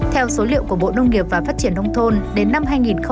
theo số liệu của bộ nông nghiệp và phát triển đông thôn đến năm hai nghìn hai mươi một